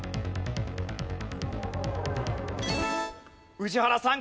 宇治原さん